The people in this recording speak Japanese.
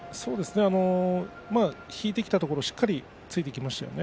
引いてきたところをしっかりとついていきましたね